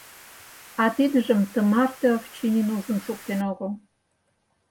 А тидыжым тымарте Овчинин ужын шуктен огыл.